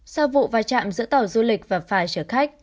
sau vụ vai trạm giữa tàu du lịch và phải trở khách